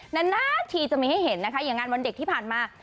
นานทีจะมีให้เห็นนะคะอย่างงานวันเด็กที่ผ่านมา